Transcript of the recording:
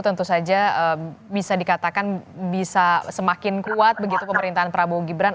tentu saja bisa dikatakan bisa semakin kuat begitu pemerintahan prabowo gibran